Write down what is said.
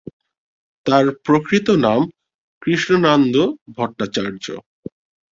তাঁর প্রকৃত নাম কৃষ্ণানন্দ ভট্টাচার্য।